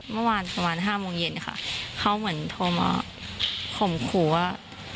เมื่อวานประมาณห้าโมงเย็นค่ะเขาเหมือนโทรมาข่มขู่ว่า